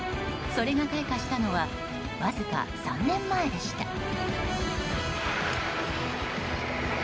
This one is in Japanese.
それが開花したのはわずか３年前でした。